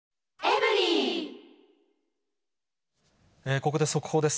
ここで速報です。